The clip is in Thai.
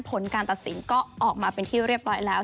ผลการตัดสินก็ออกมาเป็นที่เรียบร้อยแล้ว